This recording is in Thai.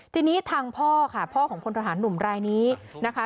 ทีนี้ทางพ่อค่ะพ่อของพลทหารหนุ่มรายนี้นะคะ